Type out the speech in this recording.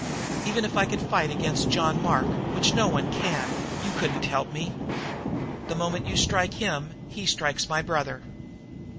Even if you could fight against John Mark, which no one can, you couldn't help me. The moment you strike him he strikes my brother."